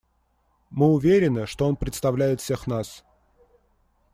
Мы уверены, что он представляет всех нас.